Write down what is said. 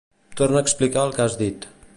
Torna a explicar el que has dit.